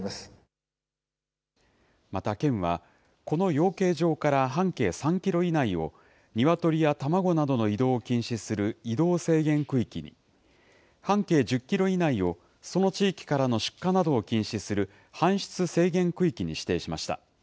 また県は、この養鶏場から半径３キロ以内を、ニワトリや卵などの移動を禁止する移動制限区域に、半径１０キロ以内をその地域からの出荷などを禁止する搬出制限区域に指定しました。